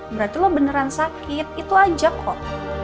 berarti lo beneran sakit itu aja kok